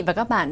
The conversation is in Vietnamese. và các bạn